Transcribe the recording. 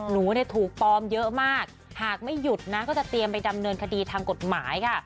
หนูเนี่ยถูกปลอมเยอะมากหากไม่หยุดนะก็จะเตรียมไปดำเนินคดีทางกฎหมายค่ะ